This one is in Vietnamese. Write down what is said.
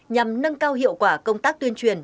nhằm nâng cao hiệu quả công tác tuyên truyền